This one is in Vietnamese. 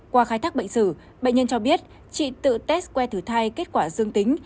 qua khai thác bệnh sử bệnh nhân cho biết chị tự test que thử thai kết quả dương tính